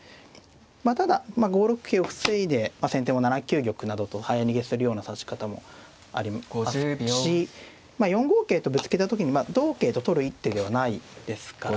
まあただ５六桂を防いで先手も７九玉などと早逃げするような指し方もありますし４五桂とぶつけた時に同桂と取る一手ではないですからね。